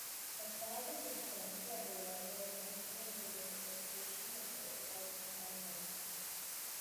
A classic example of a one-way function is multiplication of very large prime numbers.